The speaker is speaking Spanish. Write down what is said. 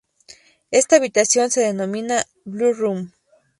Esta habitación se denomina ""blue room"".